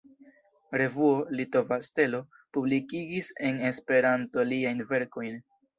Revuo „Litova Stelo“ publikigis en Esperanto liajn verkojn:.